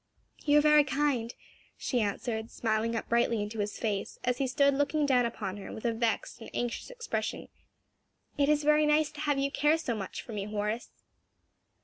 "You are very kind," she answered, smiling up brightly into his face as he stood looking down upon her with a vexed and anxious expression, "It is very nice to have you care so much for me, Horace."